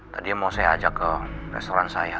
tadinya mau saya ajak ke restoran saya tapi gak jadi